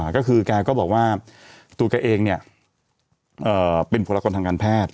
ก็คือแกก็บอกว่าตัวแกเองเป็นบุคลากรทางการแพทย์